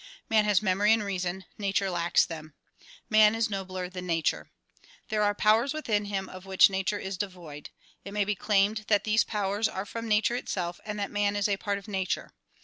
Man has memory and reason ; nature lacks them. Man is nobler than nature. There are powers within him of which nature is devoid. It may be claimed that these powers are from nature itself and that man is a part of nature.